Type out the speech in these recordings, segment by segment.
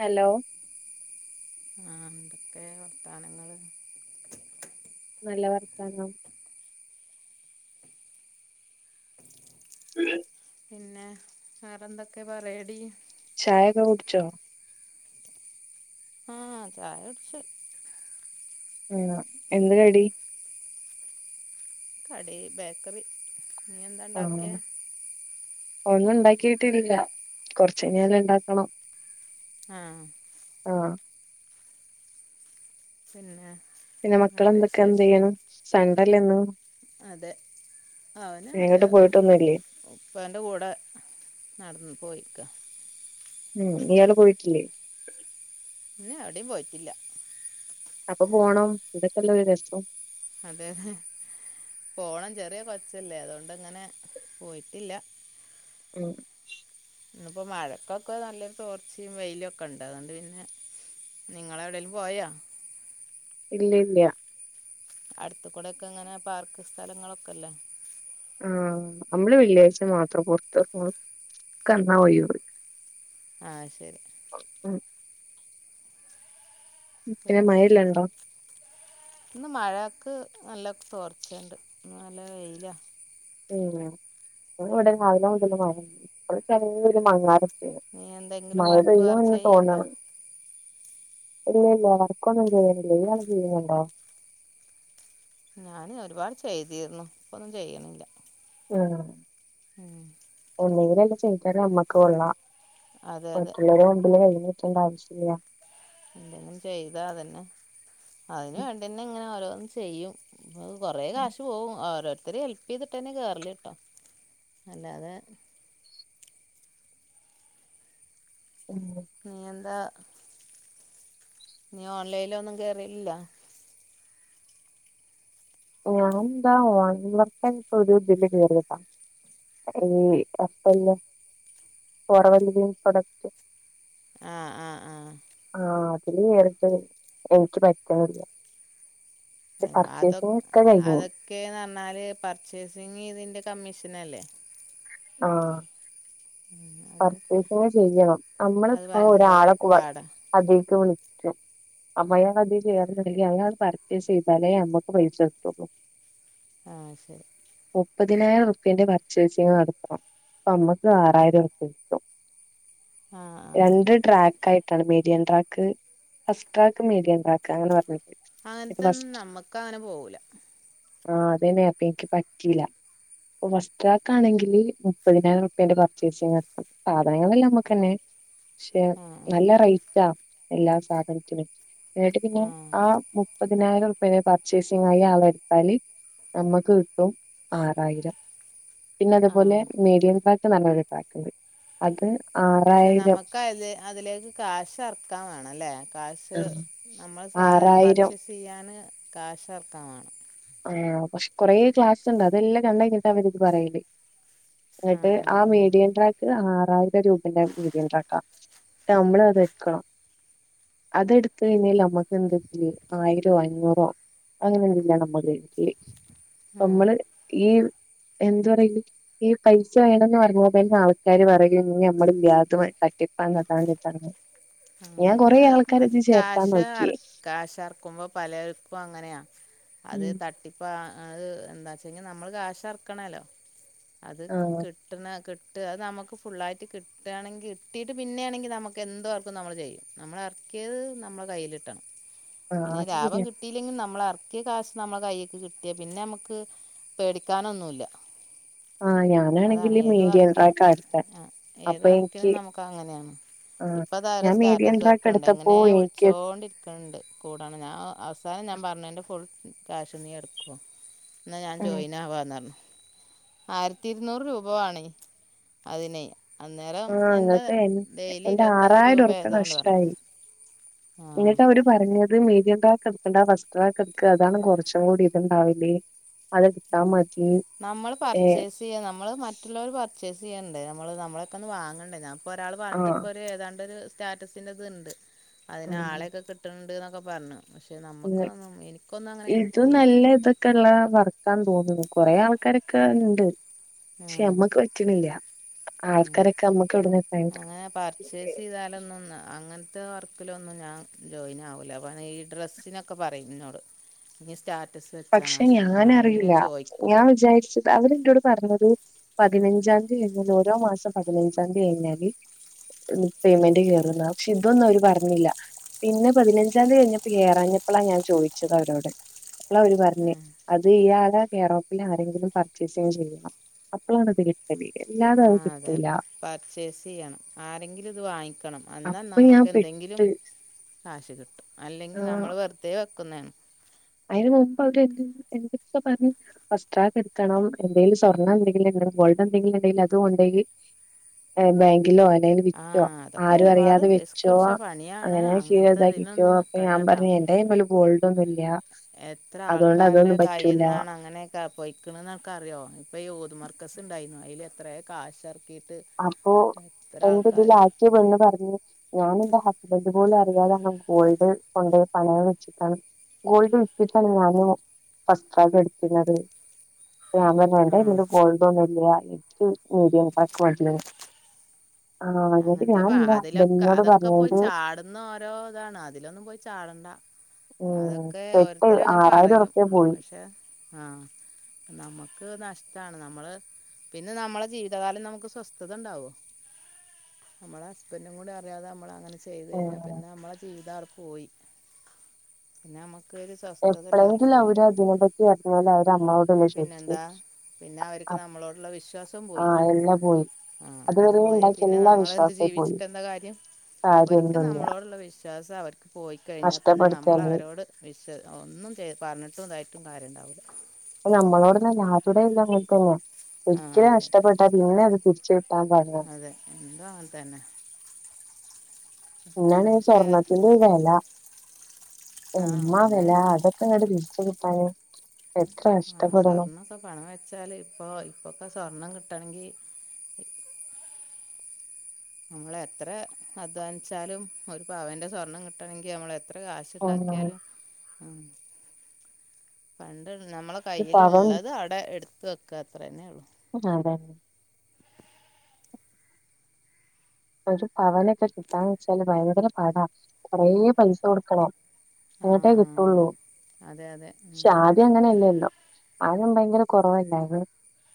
Hello ആഹ് എന്തൊക്കെ വർത്താനങ്ങള് നല്ല വർത്താനം ഇല്ല പിന്നെ വേറെ എന്തൊക്കെ പറയടി ചായക്കെ കുടിച്ചോ ആഹ് ചായ കുടിച്ച് ആ എന്ത് കടി കടി ബേക്കറി നീ എന്താ ആഹ് ഉണ്ടാക്കിയേ ഒന്നും ഉണ്ടാക്കിട്ടില്ല കൊറച്ചയിഞ്ഞ് ഇണ്ടാക്കണം ആഹ് ആഹ് പിന്നെ പിന്നെ മക്കള വേറെ എന്തൊക്കെ എന്ത് വിശേഷം ചെയ്ന് സണ്ടല്ലന്ന് അതെ അവന് അവന്റെ എങ്ങോട്ടും പോയിട്ടൊന്നുല്ലേ ഉപ്പാന്റെ കൂടെ നടന്ന് പോയിക്ക. ഉം ഇയാള് പോയിട്ടില്ലേ? പിന്നെ എവടീം പോയിട്ടില്ല. അപ്പൊ പോണം ഇതൊക്കെല്ല ഒരു രസം. അതെതെ പോണം ചെറിയ കൊച്ചല്ലേ അതുകൊണ്ടങ്ങനെ പോയിട്ടില്ല. ഉം ഇന്നിപ്പോ മഴക്കൊക്കെ നല്ലൊരു തോർച്ചിം വെയിലൊക്കെണ്ട് അതോണ്ട് പിന്നെ നിങ്ങളെവിടേലും പോയോ? ഇല്ല ഇല്ല്യ അടുത്ത്കൂടൊക്കെങ്ങനെ പാർക്ക് സ്ഥലങ്ങളൊക്കെല്ലേ? ആഹ് അമ്മള് വെള്ളിയാഴ്ച മാത്രം പൊറത്തറങ്ങൊള്ളൂ ഓൽക്ക് അന്നാ ഒഴിവ്. ആഹ് ശരി. ഉം പിന്നെ ഇന്ന് മഴക്ക് നല്ല തോർച്ചണ്ട് ഇന്ന് നല്ല വെയില. ഉം ഞങ്ങളെവടെ രാവിലെ മുതൽ മഴെ നീ [inaudible] എന്തെങ്കിലും മഴ വർക്ക് പെയ്യും വേറെ എന്ന് ചെയ്യണ്ടോ തോന്നണം. ഇല്ല ഇല്ല വർക്കൊന്നും ചെയ്യുന്നില്ല ഇയാൾ ചെയ്യുന്നുണ്ടോ? ഞാന് ഒരുപാട് ചെയ്തിരുന്നു ഇപ്പൊന്നും ചെയ്യണില്ല. ആഹ് ഉം ഒന്നെങ്കിലെല്ലാം ചെയ്താല് നമ്മക്ക് കൊള്ളാം. അതെ അതെ മറ്റുള്ളോരുടെ മുമ്പില് കൈ നീട്ടെണ്ട ആവശ്യല്ല. എന്തെങ്കിലും ചെയ്താ അതന്നെ അയിന് ഉം വേണ്ടിയന്നെ ഇങ്ങനെ ഓരോന്ന് ചെയ്യും. ന്നാലും കൊറേ കാശ് പോകും ഓരോരുത്തര് ഹെൽ പ്പീതിട്ടന്നെ കേറലിട്ടോ അല്ലാതെ ഉം ഇനിയെന്താ നീ ഓൺലൈനിലൊന്നും കേറലില്ല. ഞാനെന്താ ഓൺലൈൻ വർക്ക് ഓരു ഇതില് കയറിയതാ ഈ [unintelligible] പ്രൊഡക്റ്റ്. ആഹ് ആഹ് ആഹ് ആഹ് അതില് കേറിട്ട് എനിക്ക് പറ്റ്ണില്ല. ഏഹ് അതൊക്കെ ഒക്കെ കഴിഞ്ഞു അതൊക്ക ക്കെന്ന് പറഞ്ഞാല് പർച്ചേസിങ്ങീതിന്റെ കമ്മീഷനല്ലേ ആഹ് ഉം അത് പർച്ചേസിങ് ചെയ്യണം നമ്മള് അത് ഭയങ്കര ഒരാളെക്കു പാടാ അതീക്ക് വിളിക്കും. [unintelligible] അതാണ്ട് പർച്ചേസെയ്താലേ നമ്മക്ക് പൈസ കിട്ടൊള്ളു. ആഹ് ശരി മുപ്പതിനായിരം ഉറുപ്യന്റെ പർച്ചേസിങ് നട നമ്മക്ക് ആറായിരറുപ്യട്ടും ആഹ് ആഹ് രണ്ട് ട്രാക് യിട്ടാണ് median track first track median track അങ്ങനെ പറഞ്ഞിട്ട് ന്നിട്ട് അങ്ങനത്തെന്നും നമ്മക്കങ്ങനെ പോകൂല. ആഹ് അതന്നെ അപ്പോ എനിക്ക് പറ്റിയില്ല ഇപ്പൊ ഫാസ്ട്രാക്കാണെങ്കില് മുപ്പതിനായിരം റുപ്യന്റെ പർച്ചേസിങ്‌ നടത്തണം സാധനങ്ങളല്ലാം നമ്മക്കെന്നെ പക്ഷെ ആഹ് ആഹ് നല്ല റൈറ്റാ എല്ലാ സാധനത്തിനും ഏട്ട് പിന്നെ ആഹ് മുപ്പതിനായിരറുപെന്റെ പർച്ചേസിംഗ് അയില് ആളെ എടുത്താല് നമ്മക്ക് കിട്ടും ആറായിരം. പിന്നെ അതുപോലെ ആഹ് മീഡിയം ട്രാക്ക്ന്നറഞ്ഞൊരു ട്രാക്ക്ണ്ട് അത് പക്ഷെ ആറായിരം നമക്ക് അത് അതിലേക്ക് കാശ് എറക്കാൻ വേണംല്ലേ കാക്ഷ് ആഹ് നമ്മളെ സാധനം ആറായിരം പർച്ചേസ് ചെയ്യാന് കാഷറക്കാവേണം. ആഹ് പക്ഷെ കൊറേ ക്ലാസ് ഉണ്ട് അതെല്ലാം കണ്ടയിഞ്ഞിട്ട അവരി ഇത് പറയല്. ആഹ് എന്ട്ട് ആ ആഹ് മേഡിയൻ ആഹ് ട്ര ആറായിരം രൂപേന്റെ മിടി യെൻട്രാക്കാട്ട് നമ്മള് അത്എടുക്കണം. അതെടുത്ത് കഴിഞ്ഞാൽ നമ്മക്ക് എന്തെങ്കിലും ആയിരോ അഞ്ഞൂറോ അങ്ങനെ എന്തെങ്കിലു ആണ് നമ്മക്ക്. ആഹ് നമ്മള് ഈ എന്താ പറല്. ഈ പൈസ വേണന്ന് പറഞ്ഞ തന്നെ ആൾക്കാര് പറയയും ഇ നമ്മളി ഇല്ലാത തറ്റിപ്പാണ് അതാണ്‌ ഇതാണ്ന്ന്. ഉം ഞാൻ കൊറെ അത് ആൾക്കാരെ അത് ഇതി ചേർത്താ കാശ് അറ നോക്കി. കാശ് ഇറക്കുമ്പോ പലർക്കും അങ്ങനെയാ അത് ഉം തട്ടി അപ്പം അത് എന്താച്ചഞ്ഞി നമ്മൾ കാശ് അറക്കണല്ലോ അത് ക് ആഹ് കിട്ടണ ക്ട്ട അത്മുക്ക് ഫുള്ളായിട്ട് കിട്ടനെങ്കി കിട്ടിയിട്ട് പിന്നെ ആണെങ്കി നമുക്ക് എന്തു ചൊയും നമ്മള് ഇറകേത് നമ്മളെ കൈയില് കിട്ടണം ആഹ് പിന്നെ അത് ശരിയാണ് ലാഭം കിട്ടിയില്ലെങ്കിൽ നമ്മള എറകൃ കാശ് നമ്മളെ കൈക്ക് കിട്ടിയാ പിന്നെ നമുക്ക് പേടിക്കാനൊന്നുല്ല. [inaudible] അതാണ് ഞാനാണെങ്കില് ഏത് മീഡിയം വർക്കിനും ട്രാക്കാ എടുത്തെ ആ ഏത് അപ്പൊ വർക്കിനും എനിക്ക് നമുക്ക് അങ്ങനെയാണ്. ആഹ് അപ്പം അത അവരു ഞാൻ മീഡിയം സ്റ്റാറ്റസ് ട്രാക്ക് വർക്കുണ്ട് എടുത്തപ്പോ എങ്ങനെ എനിക്ക് വിളിച്ചുകോണ്ടിരിക്ക. ണ്ട് കൂടണം ഞാൻ അവസാനം ഞാൻ പറഞ്ഞഞ് ന്റെ ഫുൾ ക്യാഷും നീ എടുകോ? എന്നാൽ ഞാൻ ഉം ജോയിൻ ആവാന്നനർഞ്. ആയിരത്തി ഇരുന്നൂറ് രൂപ വാണം അതിനെ. അന്നേരം ആഹ് എന്താ ഇങ്ങട്ട് എൻ ഡെയിലി എന്റെ ഇരുപ അഞ്ച് ആറായിരം രൂപ ഉറുപ്യ ഏതാണ്ട് പർഞ് ആ. ര് പറഞ്ഞത് മീഡിയകാർക്ക് എടുക്കണ്ട വസ്റ്റ്റാക്ക് എക്ക അതാണ് കുറച്ചും കൂടി ഇത്ണ്ടാവല്. നമ്മൾ ഏഹ് പർച്ചേസ്. യേ നമ്മൾ മറ്റുള്ളവർ പർച്ചേസ് ചെയ്യേണ്ടെ നമ്മള് നമ്മളെക്കെന്ന് വാങ്ങേണ്ടേ ഞാൻ ഇപ്പോ ഒരാൾ പറഞ്ഞിട്ട് ആഹ് ഇപ്പൊ ഏതാണ്ട് ഒരു സ്റ്റാറ്റസിന്റെത് ണ്ട് അതിന് ആഹ് ആളെക്കെ കി കിട്ട് ണ്ട് എന്നൊക്കെ പറഞ്ഞു പക്ഷെ നമുക്ക്അതൊന്നും എനിക്കൊന്നും അങ്ങനെ കിട്ടൂല. ക്കള്ള വർക്കാ തോന്നുണു കൊറെ ആൾക്കാരൊക്കെ ഇണ്ട്. പക്ഷെ ഉം അമ്മക്ക് പറ്റ്ണില്ല ആൾക്കാരൊക്കെ അമ്മക്ക് ഇവിടന്ന് കിട്ടാ ന ർച്ചേസ് ചെയ്താലൊന്നും അങ്ങനത്തെ വർക്കിലൊന്നും ഞാൻ ജോയിൻ ആവൂല ഈ ഡ്രസ്സിനൊക്കെ. ഒക്കെ പറയുംന്നോട് നി സ്റ്റാറ്റസ് വെച്ചാ മതി ആരെങ്കിലും ചോദിക്കും. വിചാര്ച്ചും. അവരിന്നോട് പറഞ്ഞത് പതിനഞ്ചാം തീയതി കിഞ്ഞാല് ഓരോ മാസം പതിനഞ്ചാ ന്തികഴിഞാല്. പേയ്മെന്റ് കേയറുന്ന പക്ഷെ ഇതൊന്നും അവര് പറഞ്ഞില്ല. പിന്നെ പതിനഞ്ചാതി കഴിഞ്ഞപ്പോ ഏറാഞ്ഞപ്പളാ ഞാൻ ചോയിച്ചത് അവരോട്. പർഞ് അത് ഇയാളെ കേറോപ്പിലാ ആരെങ്കിലും പർച്ചേസ് ചെയ്യണം. അപ്പോളാാണ്ത് കിട്ട എല്ലാതും അത് കിട്ടൂല. ചേസ് യ്യണം ആരെങ്കിലും ഇത് വാങ്ങിക്കണം. വന്നാൽ അപ്പൊ ഞാൻ നമുക്ക് എന്തെങ്കിലും പെട്ട്. കാശ് കിട്ടും അല്ലെങ്കിൽ നമ്മൾ വെറുതെ വെക്കുനേണ്. അതിന് [unintelligible] പാസ്റ്റട്ട് ഇട്ക്കണം എന്തെങ്കിലും സ്വർണ്ണന്തഗിലും പോയതെന്ധെഗിലും ഉണ്ടെങ്കി അതും ഉണ്ടെഗി. ബാങ്കിലോ ആലേ ആ വിറ്റോ അതൊക്കെ ആരും ഒരുപാട് അറിയാതെ റിസ്ക് വെച്ചോ പിടിച്ച പണിയാണ് അങ്ങനെ അങ്ങനത്തെ [unintelligible] താക്കിക്കോ ഇതിനൊന്നും അപ്പൊ നിൽക്കണ്ട ഞാൻ കേട്ടോ പറഞ് എന്റെ. വേൾഡ് ഒന്നുല്യ. എത്ര ആൾക്കാരുടെ കൈയിന്നാണ് അങ്ങനെ. പൊയ്ക്ണ്ന്ന് ആൻക്കര്യോ ഇപ്പോ ഊത് മർക്കസ് ഉണ്ടായിരുന്നു അതിൽ എത്ര കാശ് ഇറക്കിട്ട്. അപ്പൊ എന്റെ ഇതില ആകേ പെണ്ണ് പറഞ്ഞ്. ഞാൻ എന്റെ ഹസ്ബന്റ് പോലും അറിയാതേണ് ഗോൾഡ് കൊണ്ടോയി പണേയം വെച്ക്കാണ്. ഗോൾഡ് വിറ്റിട്ടാണ് ഞാന് ഫസറ്റ് ട്രാഗ് എടുത്ണത്. അപ്പൊ ഞാൻ പറഞ്ഞു എന്റെ ആ കയ്യിൽ ഗോൾഡൊന്നും ഇല്ല ഇക്ക് മിഡിയം ട്രാക് മതീന്ന്. ആ ഇന്ട്ട് അങ്ങനത്തെ ഞാൻ ഇന്റെ ഹസ്ബൻഡ് നോട് പറഞ്ഞത്. ഇന്ന ഓരോ ഇതാണ് അതിലൊന്നും പോയി ചാടണ്ട ഉം അതൊക്കെ സെറ്റ് ഓരത്തര അങ്ങനെ ആറായിരം പറയും ഉറുപ്യ പോയി പക്ഷെ ആഹ് നമ്മുക്ക് നഷ്ടമാണ് നമ്മള് പിന്നെ നമ്മളെ ജീവിതകാലം നമുക്ക് സ്വസ്ഥത ഉണ്ടാവോ നമ്മളെ ഹസ്ബൻഡും കൂടി അറിയാതെ നമ്മള അങ്ങനെ ചെയ്തു ഏഹ് കഴിഞ്ഞാൽ പിന്നെ നമ്മളെ ജീവിതടെ പോയി പിന്നെ നമ്മക്ക് ഒരു സ്വസ്ഥത ഇല്ലാത്ത എപ്പോഴെങ്കിലും അവര് ജീവിതം അതിനെപ്പറ്റി അറിഞ്ഞാല് അവര് അമ്മോടല്ലേ പിന്നെ ചോദിച്ചത് എന്താ പിന്നെ അവർക്ക് നമ്മളോടുള്ള വിശ്വാസം പോയില്ലേ ആഹ് എല്ലാം പോയി അത് അതുവരെ പോയ പിന്ന ഉണ്ടാക്കിയ പിന്നെ എല്ലാ നമ്മള എന്ത് വിശ്വാസവും പോയി ജീവിച്ചിട്ടണ്ട എന്താ കാര്യം ഒരിക്കൽ കാര്യൊന്നുല്ല നമ്മളോടുള്ള വിശ്വ [inaudible] അവർക്ക് പോയിക്കഴിഞ്ഞാൽ പിന്നെ നമ്മള നഷ്ടപ്പെടുത്തിയാല് അവരോട് വിശ ഒന്നും ചെയ് പറഞ്ഞിട്ടും ഇതായിട്ടും കാര്യം ഉണ്ടാവില്ല അപ്പ നമ്മളോടന്നു അല്ല ആരേടെ അയല്ല അങ്ങനെ തന്നെ ആഹ് ഒരിക്കൽ അതെ നഷ്ടപ്പെട്ടാ പിന്നെ അത് തിരിച്ച അതെ എന്തും അങ്ങനെത്തന്നെ പിന്നാണ് സ്വർണത്തിന്റെ ഒരു വില ആഹ് എമ്മ അതന്നെ വില അതൊക്കെ [unintelligible] എത്ര ആഹ് കഷ്ടപ്പെടണം സ്വർണ്ണൊക്കെ പണം വെച്ചാല് ഇപ്പൊ ഇപ്പൊക്കെ സ്വർണം കിട്ടണങ്കി നമ്മള എത്ര അധ്വാനിച്ചാലും ഒരു പവൻ്റെ സ്വർണം കിട്ടണെങ്കിൽ നമ്മൾെത്ര എത്ര കാശ ആഹ് ഉണ്ടാക്കിയാലും ഉം പണ്ട് നമ്മള ഒരു പവൻ കയ്യിലുള്ളത് അവിടെ എടുത്ത് വയ്ക്കുക അത്ര തന്നെ ഉള്ളൂ അതെന്ന് ഒരു പവനൊക്കെ കിട്ടാന്ന് വെച്ചാല് ഭയങ്കര പാടാ കൊറെ പൈസ കൊടുക്കണം ആ അങ്ങട്ടേ ആ കിട്ടുള്ളൂ അതെ അതെ ശ ഇത് അങ്ങനെയല്ലല്ലോ ആരുണ്ടാക്കില്ല കുറവല്ല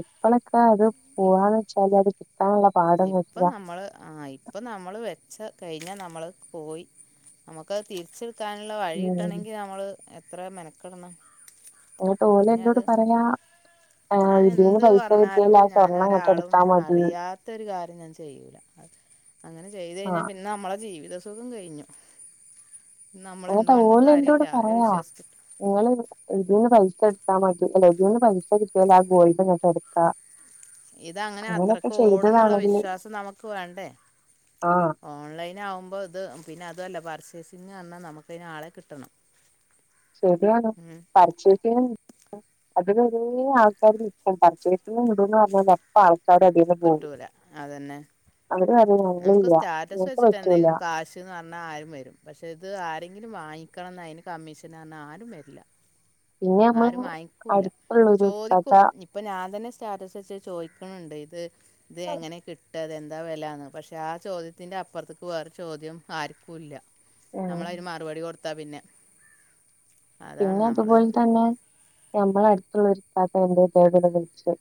എപ്പഴൊക്കെ അത് പോവാന്ന് ഒക്കെ [inaudible] അത് [inaudible] ഇപ്പം വെച്ചാ നമ്മൾ ആഹ് ഇപ്പം നമ്മൾ വെച്ച കഴിഞ്ഞാൽ നമ്മൾ പോയി നമുക്കത് തിരിച്ചെടു എടുക്കാനുള്ള വഴി ഉം കിട്ടണമെങ്കിൽ നമ്മൾ എത്ര മെനക്കിടണം [inaudible] പോലെ എന്നേട് പറയാ ഞാൻ ഇതിന്ന് എന്ത് പൈസ പറഞ്ഞാലും കിട്ടിയാൽ ആ ഞാൻ സ്വർണ്ണം ഇങ്ങട്ട് ഒരാളും എടുത്താ മതി അറിയാത്ത ഒ ഒരു കാര്യം ഞാൻ ചെയുലാ അത് അങ്ങനെ ചെയ്ത് കഴിഞ്ഞാ ആഹ് പി നമ്മളുടെ ജീവിതസുഖം കഴിഞ്ഞു നമ്മളെ എന്തുപറഞ്ഞാണ്ടും കാര്യമില്ല ആരും വിശ്വസിക്കും നിങ്ങള ഇ ഇതിന്ന് പൈസ എടുത്താൽ മതി അല്ല ഇതിന്ന് പൈസ കിട്ടിയാൽ ആ ഗോൾഡ് അങ്ങട്ട എടുക്കാ ഇതങ്ങനെ അങ്ങനെയൊക്കെ അത്രക്ക് ഓടന്നുള്ള ചെയ്തതാണെങ്കില് വിശ്വാസം നമുക്ക് വേണ്ടേ ആഹ് ഓൺലൈൻ ആകുമ്പോൾ ഇത് പിന്നെ അതല്ല പർച്ചേസിങ് പറഞ്ഞാൽ നമുക്കന് ആളെ കിട്ടണം ശരിയാണ് ഉം. പർച്ചേസ് ചെയ്യാൻ അതകഴിഞ്ഞു ആൾക്കാര് നിക്കാണം പർച്ചേസ് ഈ വീടന്ന് പറഞ്ഞ മൊത്ത ആൾക്കാര കിട്ടൂല അതു തന്നെ അവര് അറിഞ്ഞു നമുക്ക് സ്റ്റാറ്റസ് വച്ചിട്ട് എന്തെങ്കിലും കാശ് [inaudible] പറഞ്ഞാൽ ആരും വരും പക്ഷെ ഇത് ആരെങ്കിലും വാങ്ങിക്കണംമെന്ന് അതിന് കമ്മീഷൻ പറഞ്ഞാൽ ആരും വരില്ല പിന്നെ നമ്മള് ആരും വാങ്ങിക്കൂല്ല അടുത്തുള്ളൊരു ഇത്താത്ത ചോദിക്കും ഇപ്പം ഞാൻ തന്നെ സ്റ്റാറ്റസ് വെച്ച് ചോദിക്കുന്നുണ്ട് ഇത് ഇത് എങ്ങനെ കിട്ട കിട്ട അത് എന്താ വിലന്ന് പക്ഷെ ആ ചോദ്യത്തിന്റെ അപ്പുറത്തേക്ക് വേറെ ചോദ്യം ആർക്കുല്ല ആഹ് നമ്മള അതിന് മറുപടി കൊടുത്താ പിന്നെ അതാണ് പിന്നെ നമ്മൾ അതുപോലെ തന്നെ നമ്മള അടുത്തുള്ള ഇതാത്ത എന്റെ ഫോണിലാ വിളിച്ച്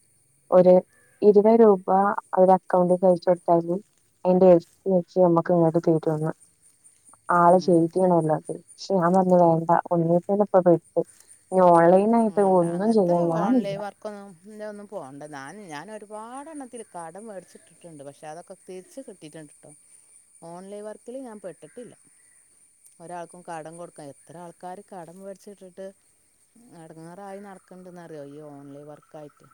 ഒരു ഇരുപത് രൂപ അവരെ അക്കൗണ്ടിൽ അയച്ച് കൊടുത്താൽ മതി അതിൻ്റെ എർട്ടി എരട്ടി നമ്മക്ക് തരൂന്ന് ആളെ [inaudible] വന്നത് പക്ഷ ഞാൻ പറുഞ്ഞു വേണ്ട ഒന്ന [inaudible] ഓൺലൈ ആഹ് അങ്ങനത്തെ ഓൺലൈൻ വർക്ക് അങ്ങൻത്തെഒന്നും പോകണ്ട ഞാൻ ഞാൻ ഒരുപാട് എണ്ണത്തിൽ കടം മേടിച്ചിട്ട് ട്ടുണ്ട് പക്ഷെ അതൊക്കെ തിരിച്ച് കിട്ടിറ്റ്ണ്ട്ട്ടോ. ഓൺലൈൻ വർക്കില് ഞാൻ പെട്ട്ട്ടില്ല. ഒരാൾക്കും കടം കൊടുക്കാ എത്ര ആൾക്കാര് കടം വേട്‌ച്ച്‌ട്ടിട്ട് എട്ങ്ങേറായി നടക്ക്ണ്ട്ന്നറിയോ ഈ ഓൺലൈൻ വർക്കായിട്ട്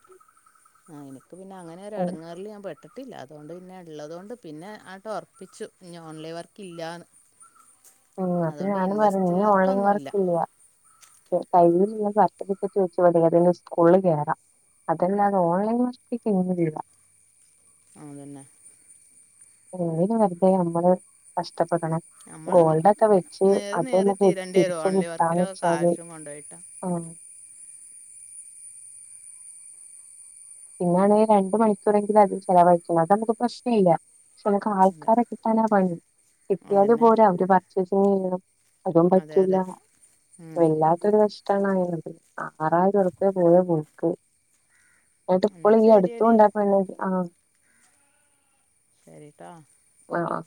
എനിക്ക് പിന്നെ അങ്ങന ഞ്ഞെരു ഉം എട്ങ്ങേർല് ഞാൻ പെട്ട് പെട്ട്ട്ടില്ല അതുകൊണ്ട് പിന്നെ ഇള്ളതോണ്ട് പിന്നെ ആട്ടൊർപ്പിച്ചു. ഇഞ്ഞ് ഓൺലൈൻ വർക്ക്ല്ലാന്ന് ഉം അപ്പൊ ഞാനും പറ ഞ്ഞ്ഓൺലൈം വർക്കൊന്നുമില്ല വർക്ക്ല്ല്യ കയ്യിലുള്ള സർട്ടിഫിക്കറ്റ് വെച്ച് ഏതെങ്കി സ്കൂള് കേറാ അതല്ലാതെ ഓൺലൈൻ വർക്ക്ക്കിഞ്ഞില്ല ഉം അതന്നെ ത് വെറുതെ നമ്മള് കഷ്ട്ടപ്പെടണം നമ്മള് ഗോൾഡൊക്കെ വെച്ച് നേറി നേറി അതൊന്ന് തീരേണ്ടി വരും തിരിച്ച് ഓൺലി വർക്കിലൊക്കെ കിട്ടാന്നെച്ചാല് കാശും കൊണ്ടോയിട്ടാ ആ പിന്നാണെ രണ്ടു മണിക്കൂറെങ്കിലും അതും ചെലവഴിക്കണം അതമ്മക്ക് പ്രശ്നേയില്ല പക്ഷെ നമക്ക് അതെ ആൾക്കാരെ കിട്ടാനാ പണി. കിട്ടിയാല് അതന്നെ പോരാ അവര് പർച്ചേസിങ്ങെയ്യണം അതും അതെ പറ്റൂല്ല അതെ ഉം എല്ലാ മറ്റൊരു കഷ്ട്ടാണായത് ആറായിരൊർപ്യ പോയ പോക്ക് ന്നട്ട് എന്നാ ഇപ്പളും ഈ ശരിയടി അടുത്തുംണ്ടാപെണ്ണ് ആഹ് ശരിട്ടാ ആഹ് ആഹ്